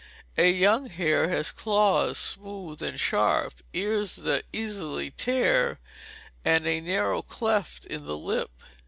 A young hare has claws smooth and sharp, ears that easily tear, and a narrow cleft in the lip.